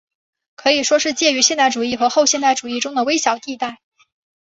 可以说是介于现代主义和后现代主义中间的微小地带。